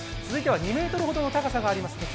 続いては２ｍほどの高さにあります